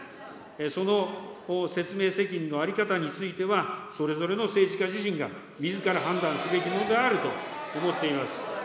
その説明責任の在り方については、それぞれの政治家自身がみずから判断すべきものであると思っています。